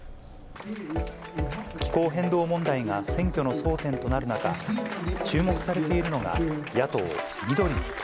気候変動問題が選挙の争点となる中、注目されているのが、野党・緑の党。